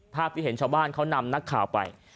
ภาพที่เห็นชาวบ้านเขานำนักข่าวไป